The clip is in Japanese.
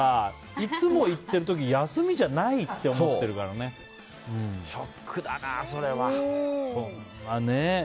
いつも行ってる時休みじゃないってショックだな、それは。